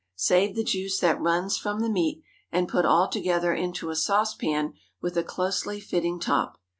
Save the juice that runs from the meat, and put all together into a saucepan with a closely fitting top.